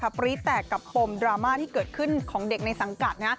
ปรี๊แตกกับปมดราม่าที่เกิดขึ้นของเด็กในสังกัด